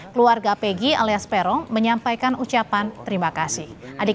keluarga pegi alias peron menyampaikan ucapan terima kasih